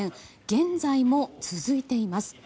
現在も続いています。